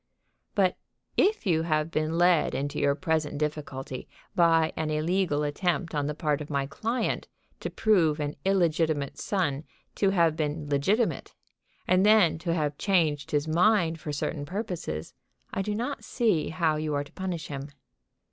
"But if you have been led into your present difficulty by an illegal attempt on the part of my client to prove an illegitimate son to have been legitimate, and then to have changed his mind for certain purposes, I do not see how you are to punish him.